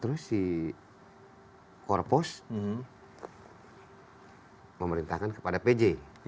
terus si korpos memerintahkan kepada pj